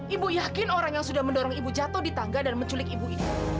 ibu yakin orang yang sudah mendorong ibu jatuh di tangga dan menculik ibu ibu